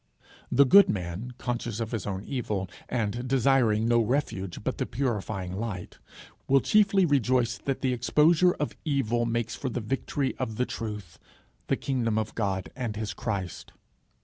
The good man, conscious of his own evil, and desiring no refuge but the purifying light, will chiefly rejoice that the exposure of evil makes for the victory of the truth, the kingdom of God and his Christ.